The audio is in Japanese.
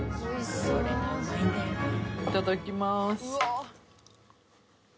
いただきます。